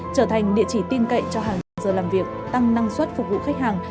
trở thành địa chỉ tiêm cậy cho hàng hàng giờ làm việc tăng năng suất phục vụ khách hàng